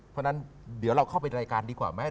เพราะฉะนั้นเดี๋ยวเราเข้าไปรายการดีกว่าไหม